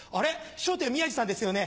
『笑点』宮治さんですよね」